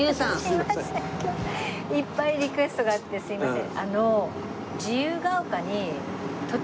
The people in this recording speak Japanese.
すいません今日いっぱいリクエストがあってすみません。